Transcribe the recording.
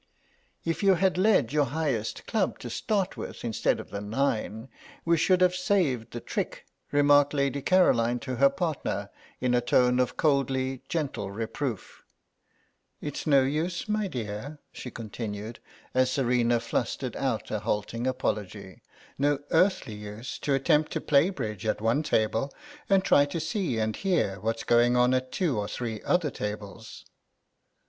"If you had led your highest club to start with, instead of the nine, we should have saved the trick," remarked Lady Caroline to her partner in a tone of coldly, gentle reproof; "it's no use, my dear," she continued, as Serena flustered out a halting apology, "no earthly use to attempt to play bridge at one table and try to see and hear what's going on at two or three other tables."